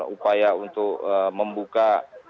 upaya untuk membuka